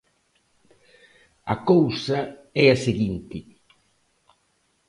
A cousa é a seguinte.